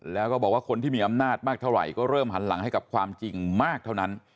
แล้วก็บอกว่าคนที่มีอำนาจมากเท่าไหร่ก็เริ่มหันหลังให้กับความจริงมากเท่านั้น